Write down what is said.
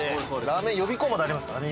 らーめん予備校までありますからね